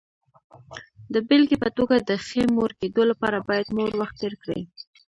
د بېلګې په توګه، د ښې مور کېدو لپاره باید مور وخت تېر کړي.